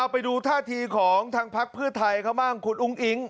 ไปดูท่าทีของทางพักเพื่อไทยเขาบ้างคุณอุ้งอิ๊ง